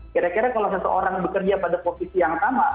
kira kira kalau seseorang bekerja pada posisi yang pertama